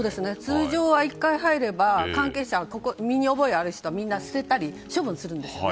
通常は１回入れば関係者や身に覚えがある人はみんな捨てたり処分するんですよ。